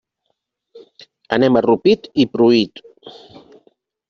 Anem a Rupit i Pruit.